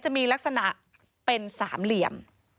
จะมีลักษณะเป็นสามเหลี่ยม